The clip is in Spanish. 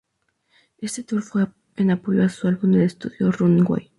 Este Tour fue en apoyo a su álbum de estudio, "Runaway".